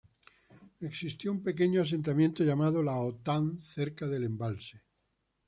Existió un pequeño asentamiento llamado "Lahontan" cerca del embalse.